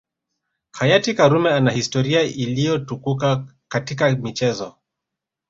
Hayati Karume ana historia iliyotukuka katika michezo